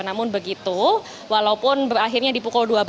namun begitu walaupun berakhirnya di pukul dua belas